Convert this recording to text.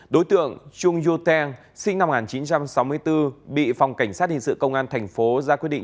đối tượng trung yu teng sinh năm một nghìn chín trăm sáu mươi bốn bị phòng cảnh sát hình sự công an tp hcm ra quyết định